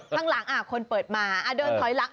ข้างหลังคนเปิดมาเดินถอยหลัง